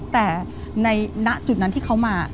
แต่ในณจุดนั้นที่เขามา